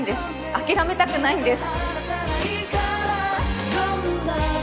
諦めたくないんです。